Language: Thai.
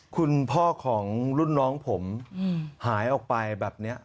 คุณพ่อของรุ่นน้องผมหายออกไปแบบนี้